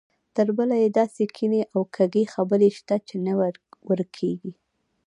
تربله یې داسې کینې او کږې خبرې شته چې نه ورکېږي.